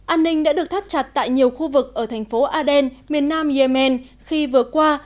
an ninh đã được thắt chặt tại nhiều khu vực ở thành phố aden miền nam yemen khi vừa qua